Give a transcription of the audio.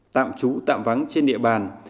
tạm trú tạm vắng trên địa bàn